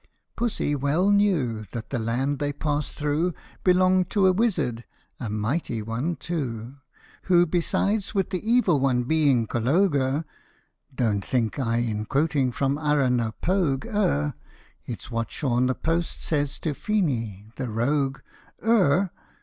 Pussy well knew That the land they passed through Belonged to a wizard a mighty one, too 47 PUSS IN BOOTS. Who, besides with the Evil One being " colloguer," (Don't think I, in quoting from " Arrah na Pogue," err : It 's what Shaun the Post says to Feeney, the rogue urgh !)